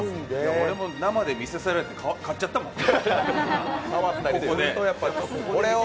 俺も生で見させられて買っちゃったもん、ここで。